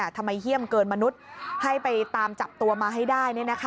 เยี่ยมเกินมนุษย์ให้ไปตามจับตัวมาให้ได้